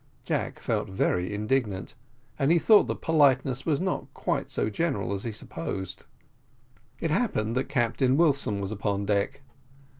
Jack felt very indignant, and he thought that politeness was not quite so general as he supposed. It happened that Captain Wilson was upon deck.